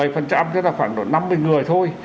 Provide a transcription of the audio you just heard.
một mươi thế là khoảng độ năm mươi người thôi